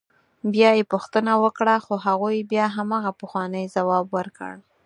بیا یې پوښتنه وکړه خو هغوی بیا همغه پخوانی ځواب ورکړ.